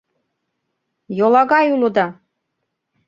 Йолагай улыда!